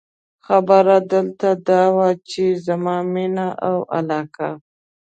خبره دلته دا وه، چې زما مینه او علاقه.